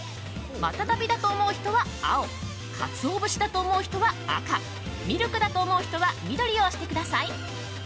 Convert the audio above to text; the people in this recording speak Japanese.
マタタビだと思う人は青かつお節だと思う人は赤ミルクだと思う人は緑を押してください。